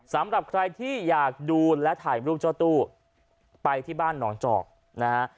สำหรับใครที่อยากดูและถ่ายรูปเจ้าตู้ไปที่บ้านหนองจอกนะฮะ